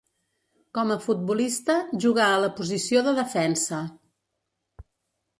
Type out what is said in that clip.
Com a futbolista jugà a la posició de defensa.